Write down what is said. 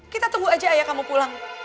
kita tunggu aja ayah kamu pulang